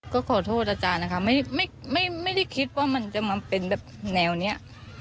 ก็ขอโทษอาจารย์นะคะไม่ได้คิดว่ามันจะมาเป็นแบบแนวนี้